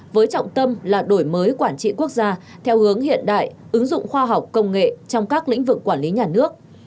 với trọng tâm là đổi mới quản trị quốc gia theo hướng hiện đại ứng dụng khoa học công nghệ trong các lĩnh vực quản lý nhà nước